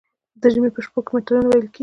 د ژمي په شپو کې متلونه ویل کیږي.